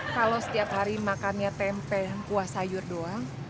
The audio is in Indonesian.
kalau setiap hari makannya tempe kuah sayur doang